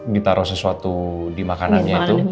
ditaruh sesuatu di makanannya itu